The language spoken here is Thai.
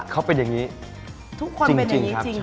ทุกคนเป็นอย่างนี้จริง